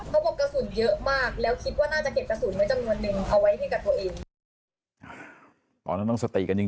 เขาบอกกระสุนเยอะมากแล้วคิดว่าน่าจะเก็บกระสุนในจำนวนหนึ่งเอาไว้ให้กับตัวเอง